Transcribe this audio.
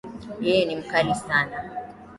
Yeye ni mkali sana